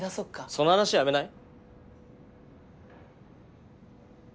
その話やめない？